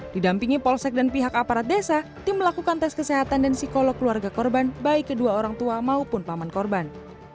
didampingi polsek dan pihak aparat desa tim melakukan tes kesehatan dan psikolog keluarga korban baik kedua orang tua maupun paman korban